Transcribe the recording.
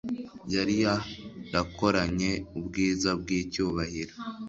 Yari yarakoranye ubwiza bwicyubahiro